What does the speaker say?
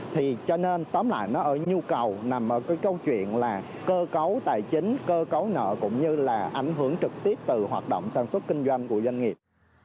thì cho nên tóm lại nó ở nhu cầu nằm ở cái câu chuyện là cơ cấu tài chính cơ cấu nợ cũng như là ảnh hưởng trực tiếp từ hoạt động sản xuất kinh doanh của doanh nghiệp